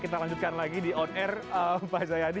kita lanjutkan lagi di on air pak jayadi